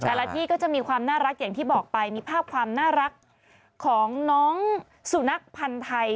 แต่ละที่ก็จะมีความน่ารักอย่างที่บอกไปมีภาพความน่ารักของน้องสุนัขพันธ์ไทย